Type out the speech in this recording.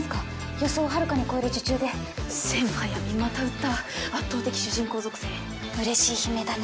予想をはるかに超える受注でセン・ハヤミまた売った圧倒的主人公属性うれしい悲鳴だね